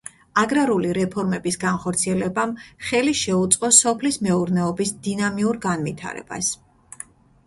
აგრარული რეფორმების განხორციელებამ ხელი შეუწყო სოფლის მეურნეობის დინამიურ განვითარებას.